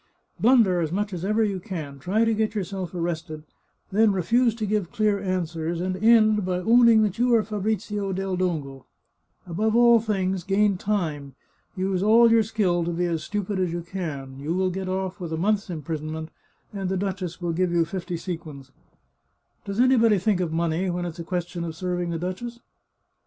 Blunder as much as ever you can, try to get yourself arrested, then re fuse to give clear answers, and end by owning that you are Fabrizio del Dongo. Above all things, gain time. Use all 410 The Chartreuse of Parma your skill to be as stupid as you can. You will get oflf with a month's imprisonment, and the duchess will give you fifty sequins," " Does anybody think of money when it's a question of serving the duchess